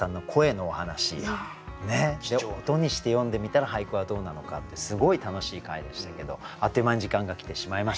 音にして読んでみたら俳句はどうなのかってすごい楽しい回でしたけどあっという間に時間が来てしまいました。